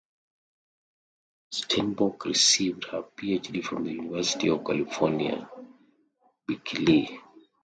Steinbock received her Ph.D. from the University of California, Berkeley.